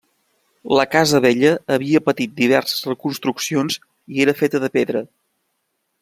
La casa vella havia patit diverses reconstruccions i era feta de pedra.